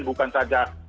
bukan saja perhatian